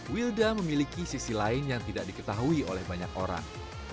wilda memiliki sisi lain yang tidak diketahui oleh banyak orang